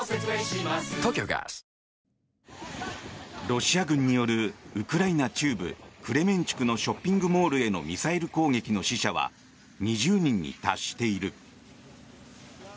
ロシア軍によるウクライナ中部クレメンチュクのショッピングモールへのミサイル攻撃の死者は２０人に達している。